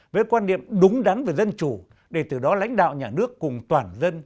với quan điểm đúng đắn về dân chủ để từ đó lãnh đạo nhà nước cùng toàn dân